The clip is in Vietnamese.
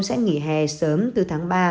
sẽ nghỉ hè sớm từ tháng ba